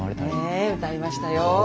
ええ歌いましたよ。